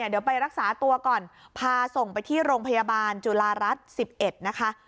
เดี๋ยวไปรักษาตัวก่อนพาส่งไปที่โรงพยาบาลจุฬารัฐ๑๑นะคะ